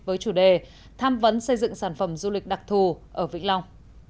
với chủ đề tham vấn xây dựng sản phẩm du lịch đặc thù ở vĩnh long